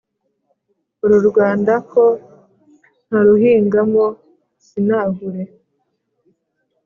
uru rwanda ko ntaruhingamo sinahure,